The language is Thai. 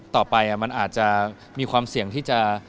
ต่อไปมันอาจจะมีความเสี่ยงที่จะ